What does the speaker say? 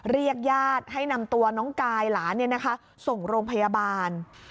เรียกญาติให้นำตัวน้องกายหลานส่งโรงพยาบาล